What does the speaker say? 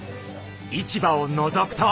市場をのぞくと？